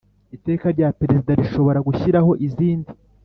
Iteka rya perezida rishobora gushyiraho izindi